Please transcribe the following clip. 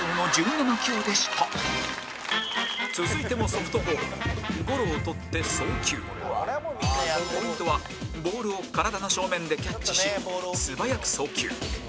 続いてもポイントはボールを体の正面でキャッチし素早く送球